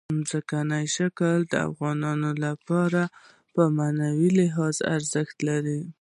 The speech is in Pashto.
ځمکنی شکل د افغانانو لپاره په معنوي لحاظ ارزښت لري.